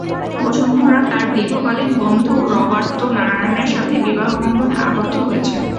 বসুন্ধরা তাঁর দীর্ঘকালীন বন্ধু রবার্তো নারায়ণের সাথে বিবাহ বন্ধনে আবদ্ধ হয়েছেন।